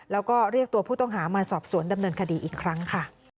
แล้วก็เรียกตัวผู้ต้องหามาสอบสวนดำเนินคดีอีกครั้งค่ะ